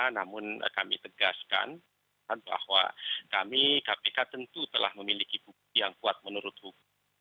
namun kami tegaskan bahwa kami kpk tentu telah memiliki bukti yang kuat menurut hukum